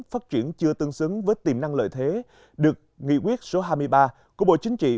phát triển chưa tương xứng với tiềm năng lợi thế được nghị quyết số hai mươi ba của bộ chính trị